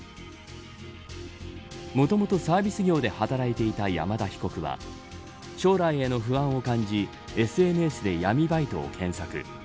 もともとサービス業で働いていた山田被告は将来への不安を感じＳＮＳで闇バイトを検索。